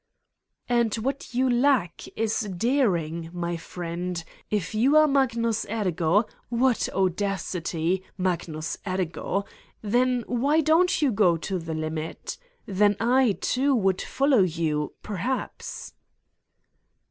"And what you lack is daring, my friend. If you are Magnus Ergo ... what audacity: Mag nus Ergo! then why don't you go the limit? Then, I, too, would follow you ... perhaps